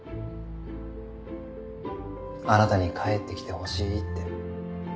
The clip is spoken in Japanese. あなたに帰ってきてほしいって。